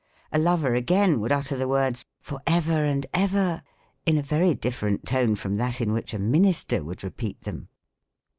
A lover again would utter the words " For ever and ever," in a very ditierent tone from that in which a minister would repeat them.